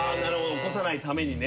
起こさないためにね。